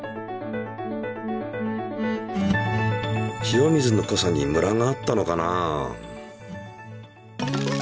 塩水のこさにむらがあったのかな？